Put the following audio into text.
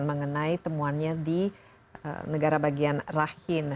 mengenai temuannya di negara bagian rahim